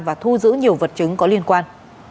và thu giữ nhiều vật chứng có liên quan